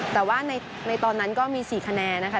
แต่ว่าในตอนนั้นก็มี๔คะแนนนะคะ